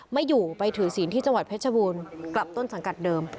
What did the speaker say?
ไม่อยู่ไปถือศีลที่จังหวัดเพชรบูรณ์กลับต้นสังกัดเดิม